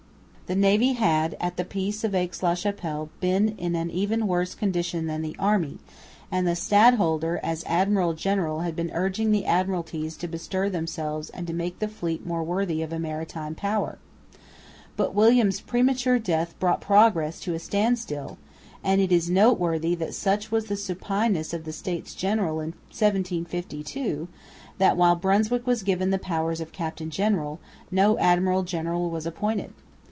The navy had at the peace of Aix la Chapelle been in an even worse condition than the army; and the stadholder, as admiral general, had been urging the Admiralties to bestir themselves and to make the fleet more worthy of a maritime power. But William's premature death brought progress to a standstill; and it is noteworthy that such was the supineness of the States General in 1752 that, while Brunswick was given the powers of captain general, no admiral general was appointed.